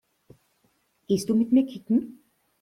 Gehst du mit mir kicken?